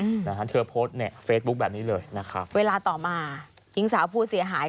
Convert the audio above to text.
อืมนะฮะเธอโพสต์ในเฟซบุ๊คแบบนี้เลยนะครับเวลาต่อมาหญิงสาวผู้เสียหาย